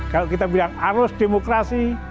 kalau kita bilang arus demokrasi